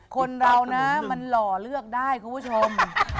คนเรานะมันหล่อเลือกได้คุณผู้ชม